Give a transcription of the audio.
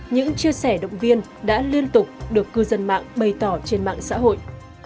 những chia sẻ động viên đã liên tục được cư dân mạng bày tỏ trên mạng xã hội